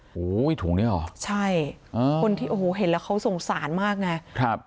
โอ้โหถุงนี้เหรอใช่คนที่โอ้โหเห็นแล้วเขาสงสารมากไงครับ